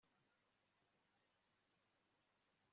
naho ogi, umwami wa bashani